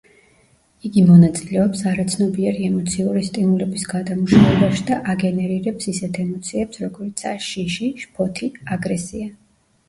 იგი მონაწილეობს არაცნობიერი ემოციური სტიმულების გადამუშავებაში და აგენერირებს ისეთ ემოციებს, როგორიცაა: შიში, შფოთი, აგრესია.